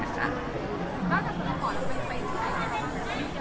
แล้วกับสำเร็จก่อนคุณไปที่ไหนก่อน